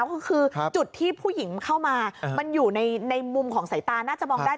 ก็คือจุดที่ผู้หญิงเข้ามามันอยู่ในมุมของสายตาน่าจะมองได้